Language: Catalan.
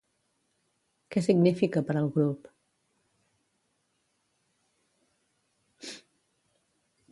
Què significa per al grup?